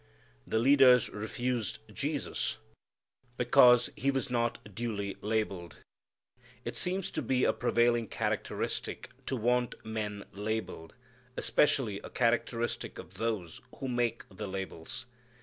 The leaders refused Jesus because He was not duly labelled. It seems to be a prevailing characteristic to want men labelled, especially a characteristic of those who make the labels.